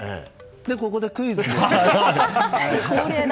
ここでクイズね。